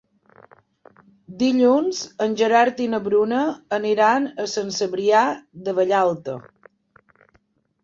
Dilluns en Gerard i na Bruna aniran a Sant Cebrià de Vallalta.